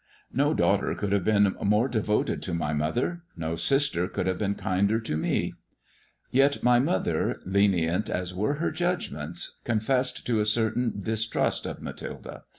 Ko daughter could have been more devoted to my mother ; no sister could have been kinder to me. Yet my mother — lenient as were her judgments — con fessed to a certain distrust of Mathilde.